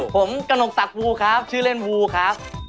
ผมกนกตักวูครับชื่อเล่นวูครับ